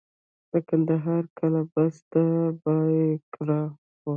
د کندهار قلعه بست د بایقرا وه